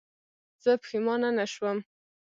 زه پښېمانه نه شوم.